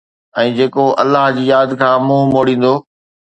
۽ جيڪو الله جي ياد کان منهن موڙيندو